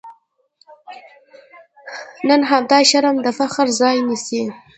نن همدا شرم د فخر ځای نیسي.